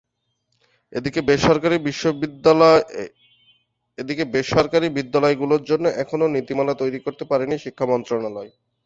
এদিকে বেসরকারি বিদ্যালয়গুলোর জন্য এখনো নীতিমালা তৈরি করতে পারেনি শিক্ষা মন্ত্রণালয়।